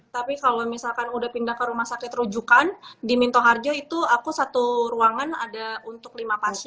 tapi kalau misalkan udah pindah ke rumah sakit rujukan di minto harjo itu aku satu ruangan ada untuk lima pasien